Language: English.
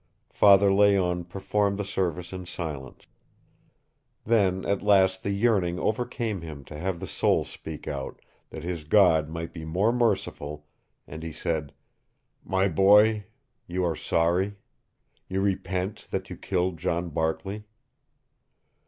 Father Layonne performed the service in silence. Then at last the yearning overcame him to have the soul speak out, that his God might be more merciful, and he said: "My boy, you are sorry? You repent that you killed John Barkley?"